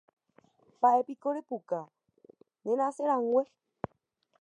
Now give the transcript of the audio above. Mba'érepiko repuka nerasẽrãngue.